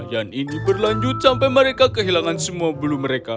yang ini berlanjut sampai mereka kehilangan semua bulu mereka